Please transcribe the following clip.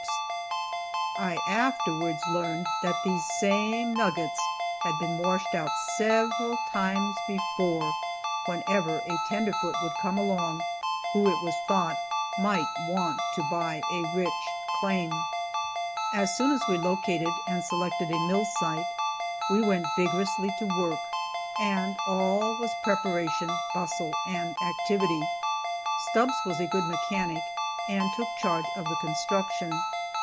I afterwards learned that these same nuggets had been washed out several times before, whenever a "tenderfoot" would come along, who it was thought might want to buy a rich claim. As soon as we located and selected a mill site, we went vigorously to work, and all was preparation, bustle and activity. Stubbs was a good mechanic and took charge of the construction.